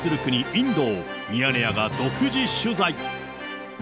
インドを、ミヤネ屋が独自取材。